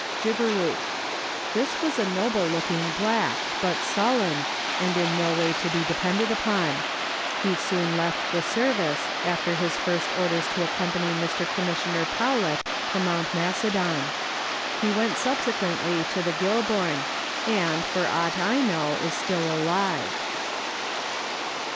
Giberuke. This was a noble looking black, but sullen, and in no way to be depended upon ; he soon left the service, after his first orders to accompany Mr. Commissioner Powlett to Mount Letters from Victorian Pioneers. 73 Macedon ; he went subsequently to the Goulburn, and, for aught I know, is still alive.